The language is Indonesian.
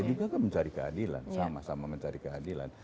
dia juga mencari keadilan sama sama mencari keadilan